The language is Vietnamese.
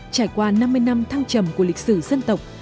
trải qua năm mươi năm thăng trầm của lịch sử dân tộc